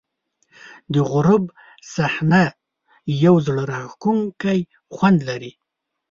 د غروب صحنه یو زړه راښکونکی خوند لري.